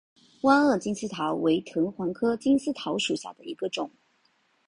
弯萼金丝桃为藤黄科金丝桃属下的一个种。